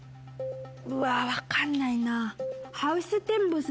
うわ分かんないな。